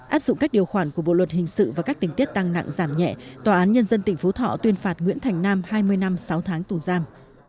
áp dụng các điều khoản của bộ luật hình sự và các tình tiết tăng nặng giảm nhẹ tòa án nhân dân tỉnh phú thọ tuyên phạt nguyễn thành nam hai mươi năm sáu tháng tù giam